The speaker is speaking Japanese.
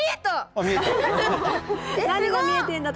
何が見えてんだ？